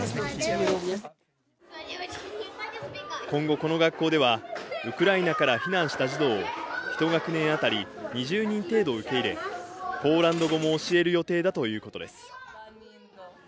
今後、この学校ではウクライナから避難した児童を１学年あたり２０人程度受け入れ、ポーランド語も教える予定だということです。